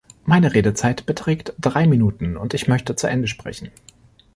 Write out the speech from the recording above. Meine Redezeit beträgt drei Minuten, und ich möchte zu Ende sprechen.